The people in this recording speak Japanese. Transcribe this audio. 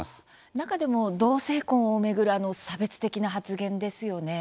中でも同性婚を巡るあの差別的な発言ですよね。